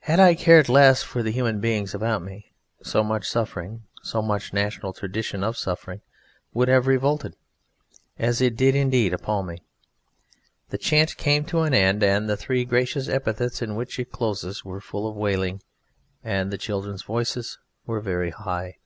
Had I cared less for the human beings about me, so much suffering, so much national tradition of suffering would have revolted, as it did indeed appal, me. The chant came to an end, and the three gracious epithets in which it closes were full of wailing, and the children's voices were very high.